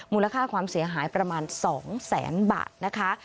มูลค่าความเสียหายประมาณ๒แสนบาทนะคะ